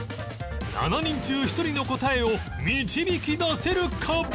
７人中１人の答えを導き出せるか？